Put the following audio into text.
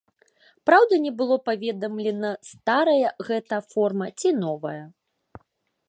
Праўда, не было паведамлена, старая гэта форма ці новая.